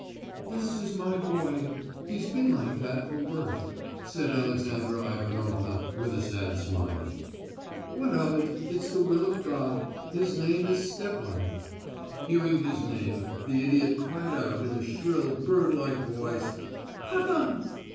_ "'This is my boy, he's been like that from birth,' said Alexandra Ivanovna with a sad smile. 'What of it.... It's the will of God. His name is Stepan.' "Hearing his name the idiot cried out in a shrill, bird like voice: "_'Papan!'